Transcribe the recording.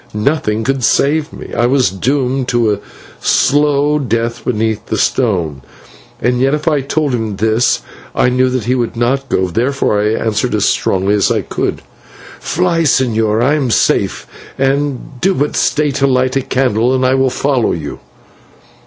Nothing could save me, I was doomed to a slow death beneath the stone; and yet if I told him this I knew that he would not go. Therefore I answered as strongly as I could: "Fly, señor, I am safe, and do but stay to light a candle. I will follow you."